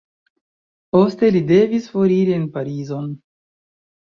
Poste li devis foriri en Parizon.